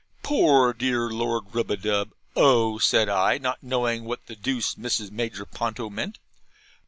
'Poor dear Lord Rubadub!' 'Oh!' said I; not knowing what the deuce Mrs. Major Ponto meant.